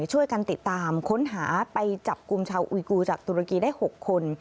ช่วยกันติดตามค้นหาไปจับกลุ่มชาวอุยกูจากตุรกีได้๖คน